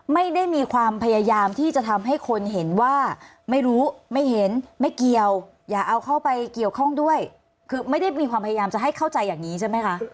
ไม่ได้มีความพยายามที่จะทำให้คนเห็นว่าไม่รู้ไม่เห็นไม่เกี่ยวอย่าเอาเข้าไปเกี่ยวข้องด้วยคือไม่ได้มีความพยายามจะให้เข้าใจอย่างนี้ใช่ไหมคะ